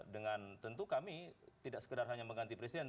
dengan tentu kami tidak sekedar hanya mengganti presiden